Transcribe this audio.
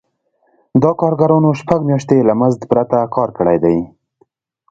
دا کارګرانو شپږ میاشتې له مزد پرته کار کړی دی